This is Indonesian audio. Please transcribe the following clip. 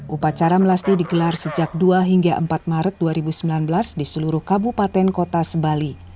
upacara melasti digelar sejak dua hingga empat maret dua ribu sembilan belas di seluruh kabupaten kota sebali